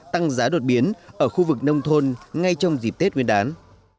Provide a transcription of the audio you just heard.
tăng giá đột biến ở khu vực nông thôn ngay trong dịp tết nguyên đán